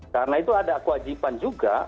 karena itu ada kewajiban juga